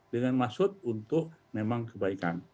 dengan maksud untuk memang kebaikan